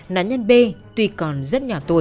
nạn nhân b tuy còn rất nhỏ tuổi